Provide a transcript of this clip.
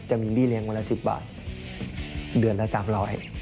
จะมีเบี้เลี้ยวันละ๑๐บาทเดือนละ๓๐๐บาท